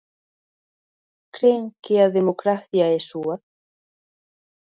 Cren que a democracia é súa?